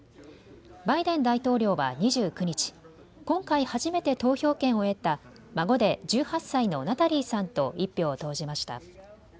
バイデン大統領は２９日、今回初めて投票権を得た孫で１８歳のナタリーさんと１票を投じました。